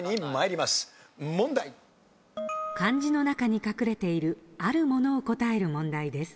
漢字の中に隠れているあるものを答える問題です。